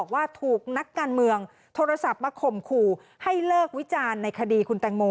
ว่าถูกนักการเมืองโทรศัพท์มาข่มขู่ให้เลิกวิจารณ์ในคดีคุณแตงโม